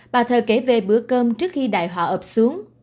bà thơ kể về bữa cơm trước khi đại họ ập xuống